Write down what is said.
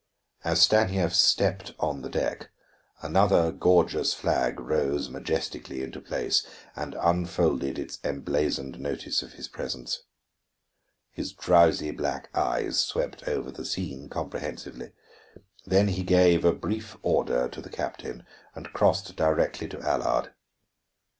As Stanief stepped on the deck, another gorgeous flag rose majestically into place and unfolded its emblazoned notice of his presence. His drowsy black eyes swept over the scene comprehensively, then he gave a brief order to the captain and crossed directly to Allard.